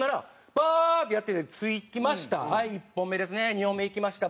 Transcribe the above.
２本目いきました。